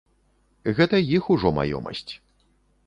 Гэта іх ужо маёмасць.